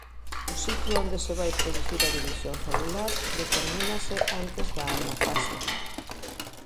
O sitio onde se vai producir a división celular determínase antes da anafase.